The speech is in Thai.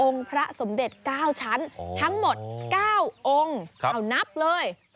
พระสมเด็จ๙ชั้นทั้งหมด๙องค์เอานับเลย